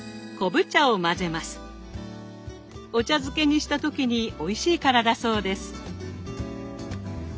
お茶漬けにした時においしいからだそうです。